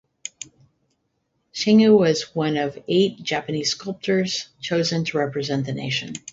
Shingu was one of eight Japanese sculptors chosen to represent the nation.